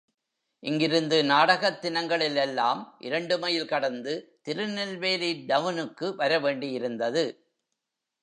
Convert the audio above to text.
இங்கிருந்து நாடகத் தினங்களிலெல்லாம் இரண்டு மைல் கடந்து திருநெல்வேலி டவுனுக்கு வரவேண்டியிருந்தது.